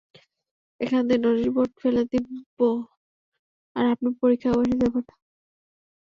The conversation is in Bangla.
এখান দিয়ে নোটিশ বোর্ড ফেলে দিবো, আর আপনি পরীক্ষায় বসে যাবেন।